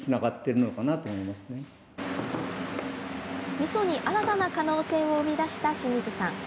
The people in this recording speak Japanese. みそに新たな可能性を生み出した清水さん。